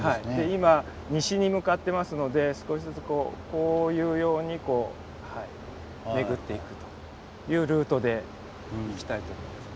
今西に向かってますので少しずつこういうように巡っていくというルートでいきたいと思います。